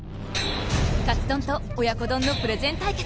カツ丼と親子丼のプレゼン対決！